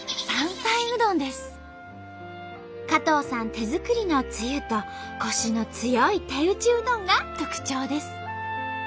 手作りのつゆとコシの強い手打ちうどんが特徴です。